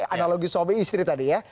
analogi suami istri tadi ya